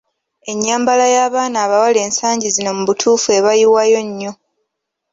Ennyambala y'abaana bawala ensagi zino mu butuufu ebayiwayo nnyo!